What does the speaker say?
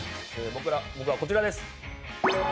僕はこちらです。